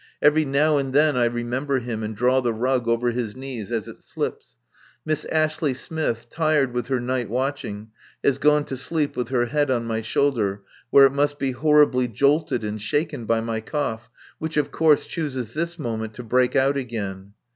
Every now and then I remember him, and draw the rug over his knees as it slips. Miss Ashley Smith, tired with her night watching, has gone to sleep with her head on my shoulder, where it must be horribly jolted and shaken by my cough, which of course chooses this moment to break out again.